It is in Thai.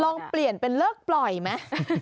ลองเปลี่ยนเป็นเลิกปล่อยไหม